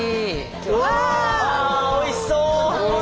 うわおいしそう！